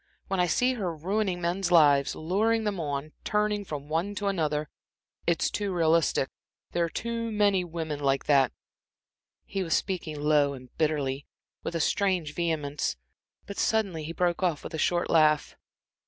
When I see her ruining men's lives, luring them on, turning from one to another it's too realistic there are too many women like that" He was speaking low and bitterly, with a strange vehemence, but suddenly he broke off, with a short laugh.